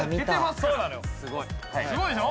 すごいでしょ？